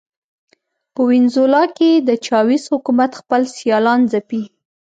په وینزویلا کې د چاوېز حکومت خپل سیالان ځپي.